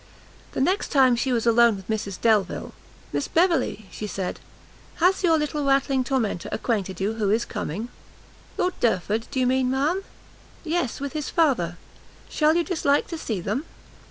The next time she was alone with Mrs Delvile, "Miss Beverley," she said, "has your little rattling tormentor acquainted you who is coming?" "Lord Derford, do you mean, ma'am?" "Yes, with his father; shall you dislike to see them?"